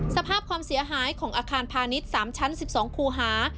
สภาพความเสียหายของอาคารพาณิชย์๓ชั้น๑๒คูหา